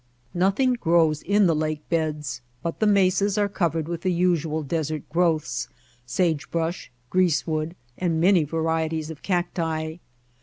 Nothing grows in the lake beds, but the mesas are covered with the usual desert growths, sage brush, greasewood and many varieties of cacti.